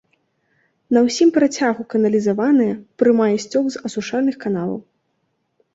На ўсім працягу каналізаваная, прымае сцёк з асушальных каналаў.